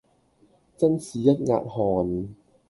真是一額汗